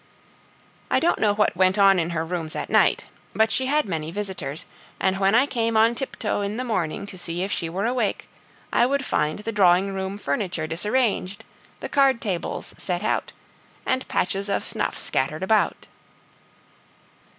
I don't know what went on in her rooms at night, but she had many visitors; and when I came on tiptoe in the morning to see if she were awake, I would find the drawing room furniture disarranged, the card tables set out, and patches of snuff scattered about.